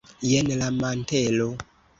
jen la mantelo!